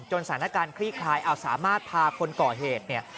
สถานการณ์คลี่คลายเอาสามารถพาคนก่อเหตุเนี่ย